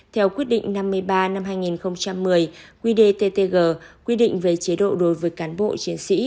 theo quyết định năm mươi ba năm hai nghìn một mươi quy đề ttg quy định về chế độ đối với cán bộ chiến sĩ